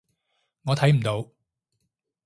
我睇唔到